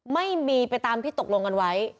ไม่มีไปตามที่ตกลงกันไว้